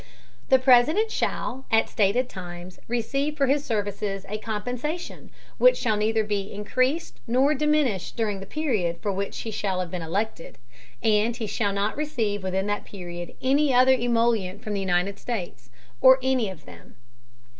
The President shall, at stated Times, receive for his Services, a Compensation, which shall neither be encreased nor diminished during the Period for which he shall have been elected, and he shall not receive within that Period any other Emolument from the United States, or any of them.